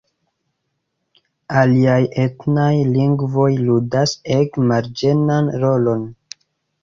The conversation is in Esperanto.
Aliaj etnaj lingvoj ludas ege marĝenan rolon.